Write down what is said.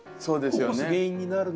そうですよね。